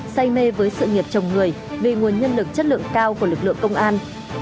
say mê với sự nghiệp chồng người vì nguồn nhân lực chất lượng cao của lực lượng công an